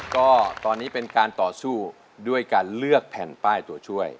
ก็ตอนนี้เป็นการต่อสู้ด้วยการเลือกแผ่นป้ายตัวช่วย